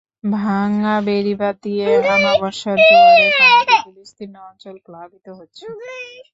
ভাঙা বেড়িবাঁধ দিয়ে অমাবস্যার জোয়ারের পানি ঢুকে বিস্তীর্ণ অঞ্চল প্লাবিত হচ্ছে।